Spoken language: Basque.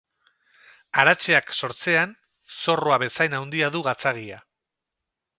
Aratxeak, sortzean, zorroa bezain handia du gatzagia.